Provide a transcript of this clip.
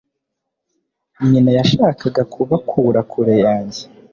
nyina yashakaga kubakura kure yanjye